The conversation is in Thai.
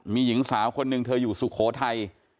มีหญิงสาวคนหนึ่งเธออยู่สุโขทัย